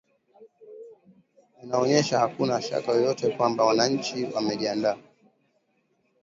inaonyesha hakuna shaka yoyote kwamba wananchi wamejiandaa